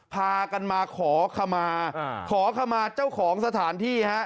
พากันมาขอคำมาขอคำมาเจ้าของสถานที่